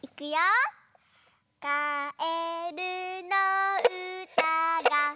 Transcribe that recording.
「かえるのうたが」